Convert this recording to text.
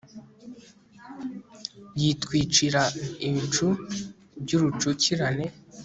yitwikira ibicu by'urucukirane